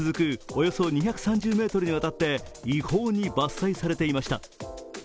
およそ２３０ｍにわたって違法に伐採されていました。